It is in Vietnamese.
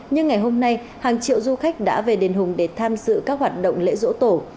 nhưng ngày hôm nay hàng triệu du khách đã về đền hùng để tham dự các hoạt động lễ rỗ tổ